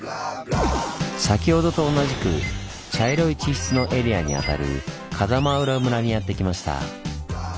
先ほどと同じく茶色い地質のエリアにあたる風間浦村にやって来ました。